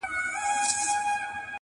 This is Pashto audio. د پښتو اشعار يې دُر لعل و مرجان کړه،